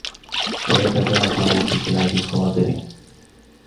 وَيَتَفَاخَرُوا فِي سُرْعَةِ خَوَاطِرِهِمْ